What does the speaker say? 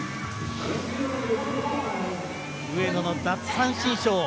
上野の奪三振ショー。